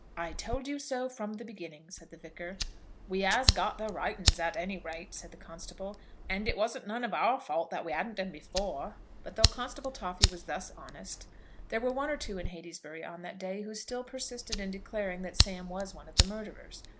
"I told you so from the beginning," said the Vicar. "We 'as got the right uns, at any rate," said the constable; "and it wasn't none of our fault that we hadn't 'em before." But though Constable Toffy was thus honest, there were one or two in Heytesbury on that day who still persisted in declaring that Sam was one of the murderers.